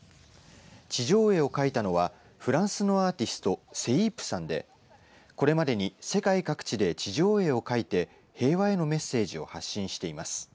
地上絵を描いたのはフランスのアーティストＳＡＹＰＥさんでこれまでに世界各地で地上絵を描いて平和へのメッセージを発信しています。